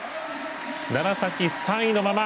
楢崎、３位のまま。